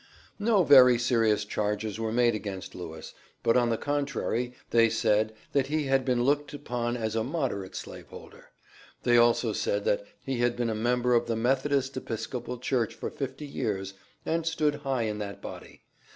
No very serious charges were made against Lewis, but on the contrary they said, that he had been looked upon as a "moderate slave holder;" they also said, that "he had been a member of the Methodist Episcopal Church for fifty years, and stood high in that body."